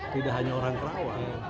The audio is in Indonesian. tidak hanya orang kerawang